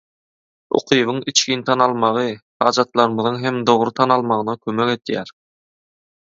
Ukybyň içgin tanalmagy hajatlarymyzyň hem dogry tanalmagyna kömek edýär.